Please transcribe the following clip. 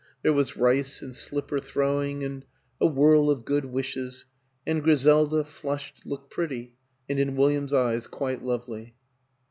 There was rice and slipper throwing and a whirl of good wishes and Gri selda, flushed, looked pretty, and in William's eyes quite lovely.